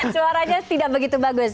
suaranya tidak begitu bagus